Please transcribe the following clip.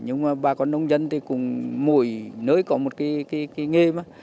nhưng mà bà con nông dân thì cũng mỗi nơi có một cái nghề mà